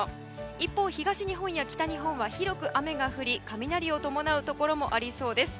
一方、東日本や北日本は広く雨が降り雷を伴うところもありそうです。